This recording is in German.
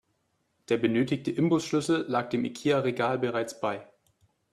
Der benötigte Imbusschlüssel lag dem Ikea-Regal bereits bei.